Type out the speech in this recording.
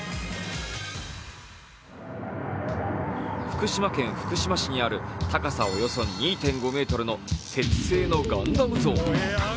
福島県福島市にある高さおよそ２．５ｍの鉄製のガンダム像。